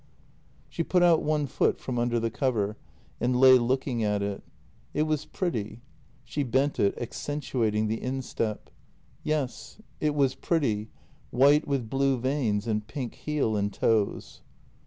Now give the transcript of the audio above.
She put out one foot from under the cover and lay looking at it. It was pretty. She bent it, accentuating the instep. Yes, it was pretty, white with blue veins and pink heel and toes.